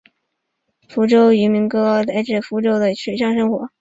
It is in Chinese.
福州疍民渔歌来源于福州疍民的水上生活。